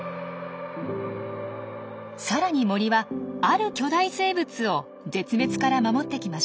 さらに森はある巨大生物を絶滅から守ってきました。